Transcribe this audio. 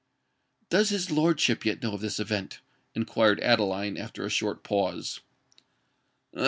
"Does his lordship yet know of this event?" inquired Adeline, after a short pause.